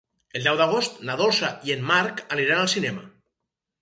El deu d'agost na Dolça i en Marc aniran al cinema.